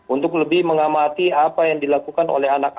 untuk lebih mengamati apa yang dilakukan oleh anak anak